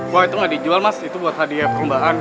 wah itu gak dijual mas itu buat hadiah perlumbaan